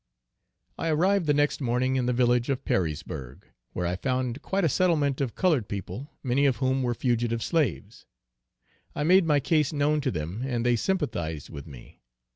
I arrived the next morning in the village of Perrysburgh, where I found quite a settlement of colored people, many of whom were fugitive slaves. I made my case known to them and they sympathized with me.